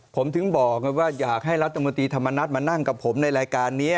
ผมถึงบอกว่าอยากให้รัฐมนตรีธรรมนัฐมานั่งกับผมในรายการนี้